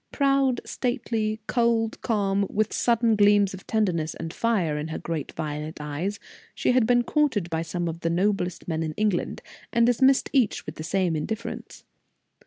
Proud, stately, cold, calm, with sudden gleams of tenderness and fire in her great violet eyes, she had been courted by some of the noblest men of England, and dismissed each with the same indifference.